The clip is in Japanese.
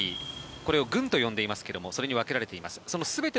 これを群と読んでいますがそれに分けられています。